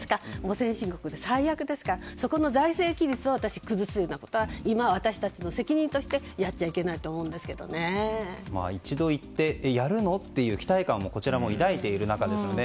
先進国で最悪ですからそこの財政規律を崩すことは今は私たちの責任としてやっちゃいけないと一度言ってやるの？という期待感も抱いている中ですよね。